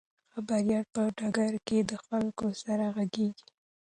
خبریال په ډګر کې د خلکو سره غږیږي.